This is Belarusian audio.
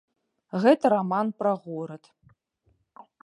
Гэта раман пра горад.